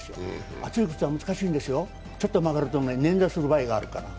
厚い靴は難しいんですよ、ちょっと曲がるとねんざする可能性があるから。